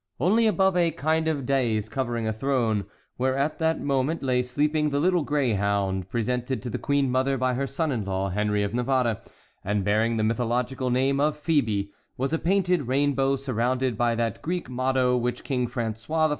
Only above a kind of dais covering a throne, where at that moment lay sleeping the little greyhound presented to the queen mother by her son in law, Henry of Navarre, and bearing the mythological name of Phœbe, was a painted rainbow surrounded by that Greek motto which King François I.